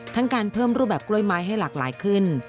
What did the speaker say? การเพิ่มรูปแบบกล้วยไม้ให้หลากหลายขึ้น